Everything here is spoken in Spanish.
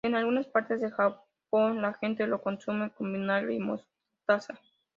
En algunas partes de Japón, la gente lo consume con vinagre y mostaza.